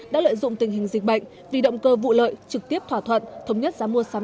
đã lợi dụng tình hình dịch bệnh vì động cơ vụ lợi trực tiếp thỏa thuận thống nhất giá mua sắm